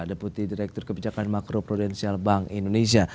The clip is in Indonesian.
deputi direktur kebijakan makro prudensial bank indonesia